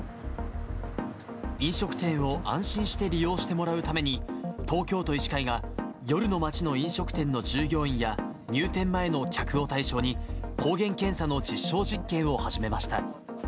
飲食店を安心して利用してもらうために、東京都医師会が夜の街の飲食店の従業員や、入店前の客を対象に、抗原検査の実証実験を始めました。